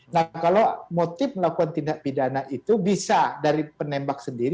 nah kalau motif melakukan tindak pidana itu bisa dari penembak sendiri